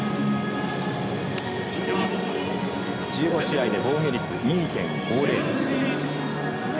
１５試合で防御率２．５０です。